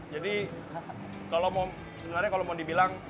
kalau sebenarnya kalau mau dibilang